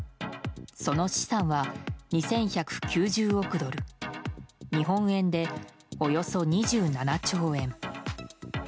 その資産は２１９０億ドル日本円でおよそ２７兆円。